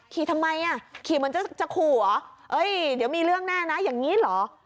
ขี่ทำไมอ่ะขี่เหมือนจะขู่เหรอเอ้ยเดี๋ยวมีเรื่องแน่นะอย่างนี้เหรอ